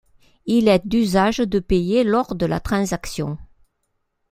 Il est d'usage de payer lors de la transaction.